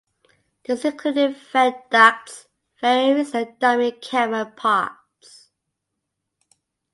This included vent ducts, fairings and dummy camera pods.